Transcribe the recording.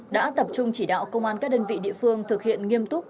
đã tập trung chỉ đạo công an các đơn vị địa phương thực hiện nghiêm túc